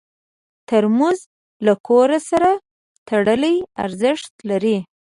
ترموز له کور سره تړلی ارزښت لري.